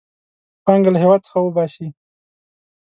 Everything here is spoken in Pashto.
پانګه له هېواد څخه وباسي.